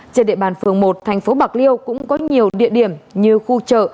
trên địa bàn phường một thành phố bạc liêu cũng có nhiều địa điểm như khu chợ